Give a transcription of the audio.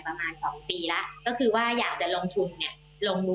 ประมาณ๒ปีแล้วก็คืออยากจะลงทุน